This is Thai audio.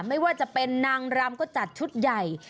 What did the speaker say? ไม่ว่าจะเป็นนางรำก็จัดชุดใหญ่